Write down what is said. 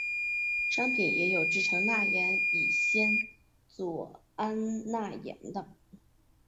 商品也有制成钠盐乙酰唑胺钠盐的。